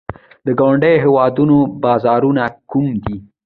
د ګاونډیو هیوادونو بازارونه کوم دي؟